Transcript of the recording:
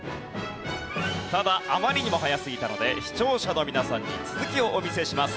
ただあまりにも早すぎたので視聴者の皆さんに続きをお見せします。